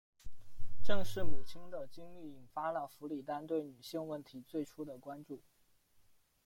正是母亲的经历引发了弗里丹对女性问题最初的关注。